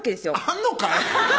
あんのかい！